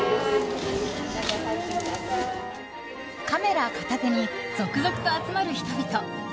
カメラ片手に続々と集まる人々。